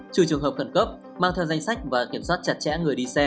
trừ trường hợp khẩn cấp mang theo danh sách và kiểm soát chặt chẽ người đi xe